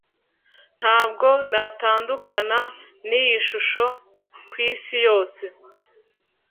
ntabwo natandukana niyi shusho kwisi yose